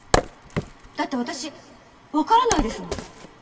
だって私分からないですもん！